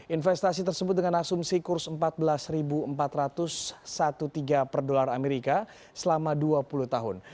investasi tersebut dengan asumsi kurs empat belas empat ratus tiga belas per dolar amerika selama dua puluh tahun